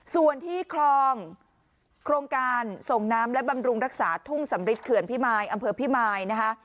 ส่วนที่คลองโครงการส่งน้ำและบำรุงรักษาทุ่งสำริทเขื่อนพิมายอำเภอพิมายนะคะ